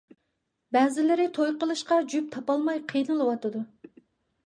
بەزىلىرى توي قىلىشقا جۈپ تاپالماي قىينىلىۋاتىدۇ.